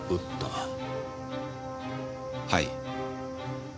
はい。